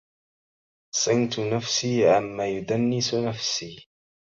صنت نفسي عما يدنس نفسي